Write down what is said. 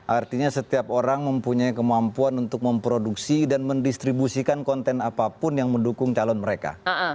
artinya setiap orang mempunyai kemampuan untuk memproduksi dan mendistribusikan konten apapun yang mendukung calon mereka